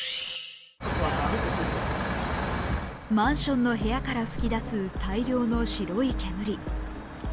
マンションの部屋から噴き出す大量の白い煙。